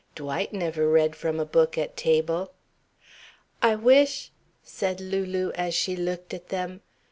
Dwight never read from a book at table. "I wish " said Lulu, as she looked at them.